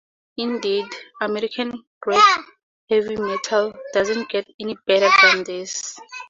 Indeed, American-bred heavy metal doesn't get any better than this.